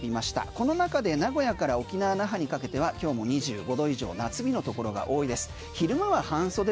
この中で名古屋から沖縄にかけては今日も２５度以上のところが多いです。